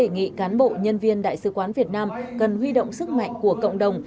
nghĩ cán bộ nhân viên đại sứ quán việt nam cần huy động sức mạnh của cộng đồng